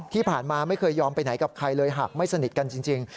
ที่ผ่านมาไม่เคยยอมไปไหนกับใครเลยหากไม่สนิทกันจริง